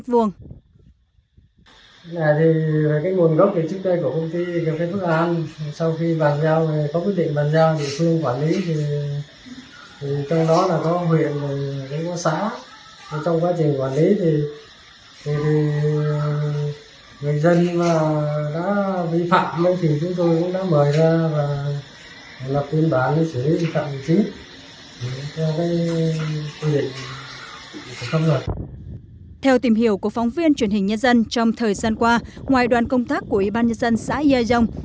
bên cạnh đó một số hộ dân và cả phó chủ tịch ủy ban nhân dân xã yai dông